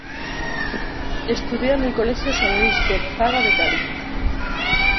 Estudió en el Colegio San Luis Gonzaga de Cali.